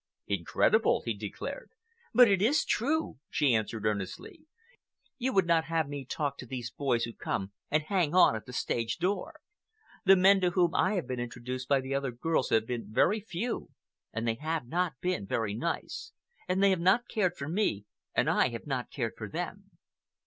"Incredible!" he declared. "But it is true," she answered earnestly. "You would not have me talk to these boys who come and hang on at the stage door. The men to whom I have been introduced by the other girls have been very few, and they have not been very nice, and they have not cared for me and I have not cared for them.